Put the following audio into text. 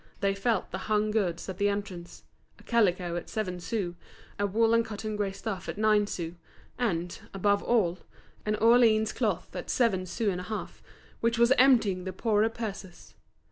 They felt the "hung" goods at the entrance; a calico at seven sous, a wool and cotton grey stuff at nine sous, and, above all, an Orleans cloth at seven sous and half, which was emptying the poorer purses.